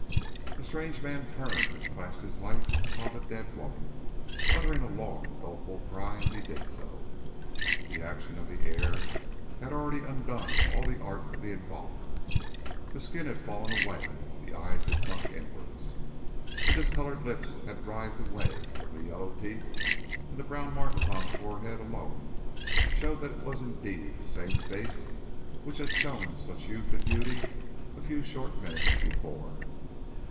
The strange man turned and flashed his light upon the dead woman, uttering a long doleful cry as he did so. The action of the air had already undone all the art of the embalmer. The skin had fallen away, the eyes had sunk inwards, the discoloured lips had writhed away from the yellow teeth, and the brown mark upon the forehead alone showed that it was indeed the same face which had shown such youth and beauty a few short minutes before.